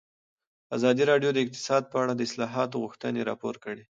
ازادي راډیو د اقتصاد په اړه د اصلاحاتو غوښتنې راپور کړې.